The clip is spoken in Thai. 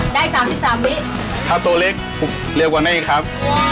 ได้สามสิบสามวิถ้าตัวเล็กเร็วกว่านี้อีกครับ